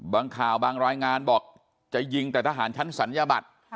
ข่าวบางรายงานบอกจะยิงแต่ทหารชั้นศัลยบัตร